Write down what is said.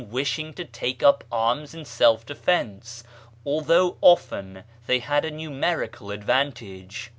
120 BAHAISM wishing to take up arms in self defence, although often they had a numerical advantage.